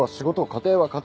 家庭は家庭。